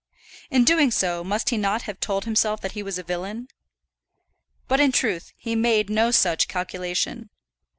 In doing so must he not have told himself that he was a villain? But in truth he made no such calculation.